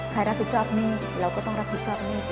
ใครรับผิดชอบหนี้เราก็ต้องรับผิดชอบหนี้